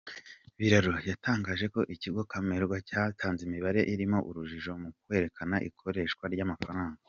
Biraro, yatangaje ko ikigo Camerwa cyatanze imibare irimo urujijo mu kwerekana ikoreshwa ry’amafaranga.